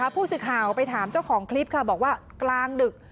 ผู้สื่อข่าวไปถามเจ้าของคลิปค่ะบอกว่ากลางดึก